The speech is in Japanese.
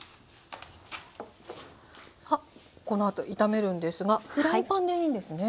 さあこのあと炒めるんですがフライパンでいいんですね。